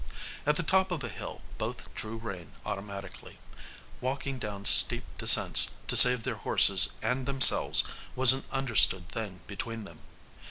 At the top of a hill both drew rein automatically. Walking down steep descents to save their horses and themselves was an understood thing between them.